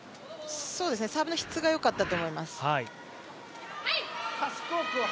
サーブの質がよかったと思います。